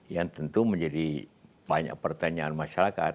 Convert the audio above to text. yang tentu menjadi banyak pertanyaan masyarakat